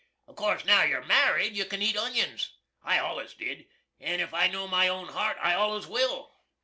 Of course now you're marrid you can eat onions. I allus did, and if I know my own hart, I allus will.